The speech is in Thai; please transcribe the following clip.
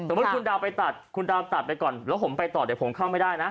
มุติคุณดาวไปตัดคุณดาวตัดไปก่อนแล้วผมไปต่อเดี๋ยวผมเข้าไม่ได้นะ